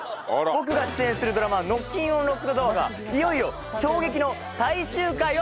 僕が出演するドラマ『ノッキンオン・ロックドドア』がいよいよ衝撃の最終回を迎えます。